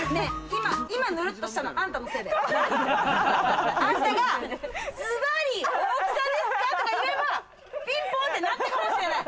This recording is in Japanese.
今、ヌルッとしたの、あんたのせいだよ。あんたがズバリ大きさですとか言えば、ピンポンってなってたかもしれない。